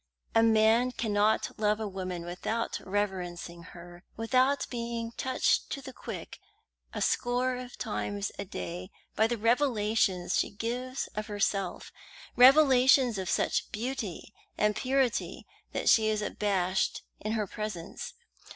A man cannot love a woman without reverencing her, without being touched to the quick a score of times a day by the revelations she gives of herself revelations of such beauty and purity that he is abashed in her presence.